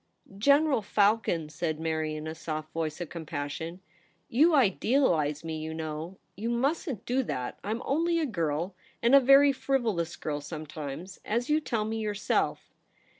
* General Falcon,' said Mary, in a soft voice of compassion, ' you idealize me, you know THE PRINCESS AT HOME. 169 You mustn't do that. Tm only a girl ; and a very frivolous girl sometimes, as you tell me yourself.'